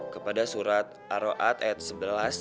kepada surat aro'at ayat ke sebelas